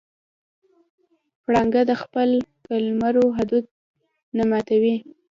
پړانګ د خپل قلمرو حدود نه ماتوي.